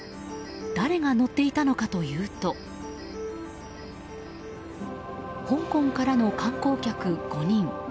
誰が乗っていたのかというと香港からの観光客５人。